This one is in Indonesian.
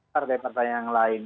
partai partai yang lain